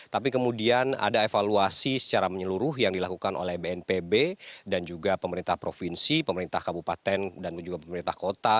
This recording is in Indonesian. tapi kemudian ada evaluasi secara menyeluruh yang dilakukan oleh bnpb dan juga pemerintah provinsi pemerintah kabupaten dan juga pemerintah kota